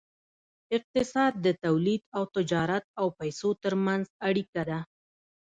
اقتصاد د تولید او تجارت او پیسو ترمنځ اړیکه ده.